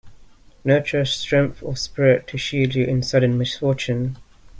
Nurture strength of spirit to shield you in sudden misfortune.